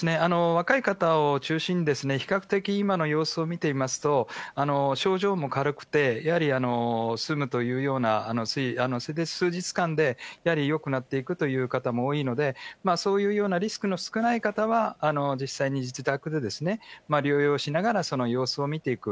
若い方を中心に、比較的、今の様子を見てみますと、症状も軽くて、やはり、済むというような、それで数日間でやはりよくなっていくという方も多いので、そういうようなリスクの少ない方は、実際に自宅で療養しながら、様子を見ていく。